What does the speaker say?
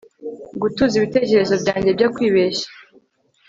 gutuza ibitekerezo byanjye byo kwibeshya